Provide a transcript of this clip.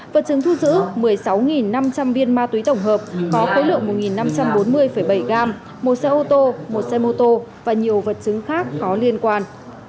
vật chứng thu giữ một mươi sáu năm trăm linh viên ma túy tổng hợp có khối lượng một năm trăm bốn mươi bảy gram một xe ô tô một xe mô tô và nhiều vật chứng khác có liên quan